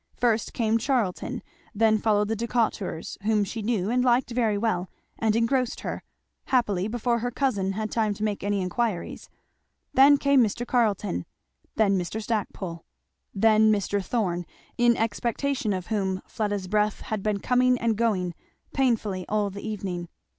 First came Charlton; then followed the Decaturs, whom she knew and liked very well, and engrossed her, happily before her cousin had time to make any enquiries; then came Mr. Carleton; then Mr. Stackpole. Then Mr. Thorn, in expectation of whom Fleda's breath had been coming and going painfully all the evening.